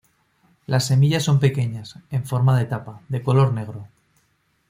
Las semillas son pequeñas, en forma de tapa, de color negro.